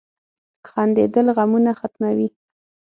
• خندېدل غمونه ختموي.